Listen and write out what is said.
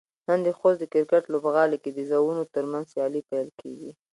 نن د خوست د کرکټ لوبغالي کې د زونونو ترمنځ سيالۍ پيل کيږي.